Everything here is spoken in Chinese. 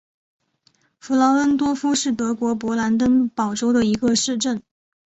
弗劳恩多夫是德国勃兰登堡州的一个市镇。